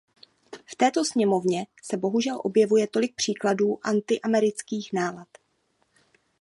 V této sněmovně se bohužel objevuje tolik příkladů antiamerických nálad.